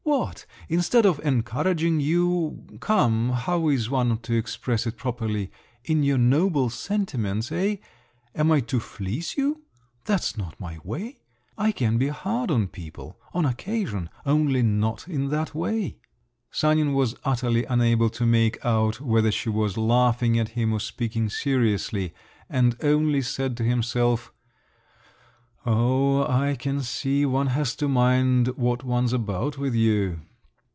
What? Instead of encouraging you … come, how is one to express it properly?—in your noble sentiments, eh? am I to fleece you? that's not my way. I can be hard on people, on occasion—only not in that way." Sanin was utterly unable to make out whether she was laughing at him or speaking seriously, and only said to himself: "Oh, I can see one has to mind what one's about with you!"